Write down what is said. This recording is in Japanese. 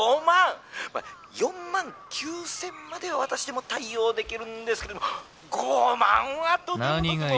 ４万９，０００までは私でも対応できるんですけども５万はとてもとても！」。